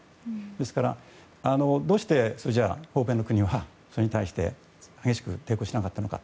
ですから、どうして欧米の国はそれに対して激しく抵抗しなかったのか。